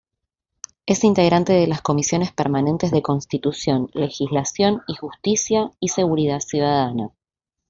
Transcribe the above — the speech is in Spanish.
Es integrante de las Comisiones Permanentes de Constitución, Legislación y Justicia; y Seguridad Ciudadana.